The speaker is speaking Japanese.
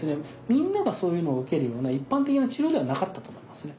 みんながそういうのを受けるような一般的な治療ではなかったと思いますね。